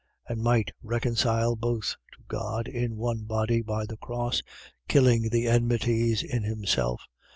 And might reconcile both to God in one body by the cross, killing the enmities in himself.